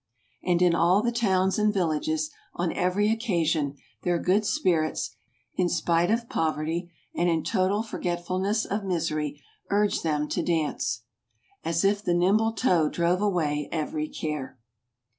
And in all the towns and villages, on every occasion, their good spirits, in spite of poverty, and in total forgetfulness of misery, urge them to dance. As if the nimble toe drove away every care.